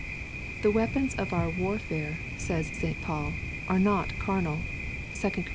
"The weapons of our warfare,'' says St. Paul, " are not carnal." (2 Cor.